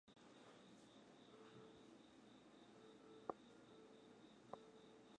তিনি আবার ক্ষমতাচ্যুত হন।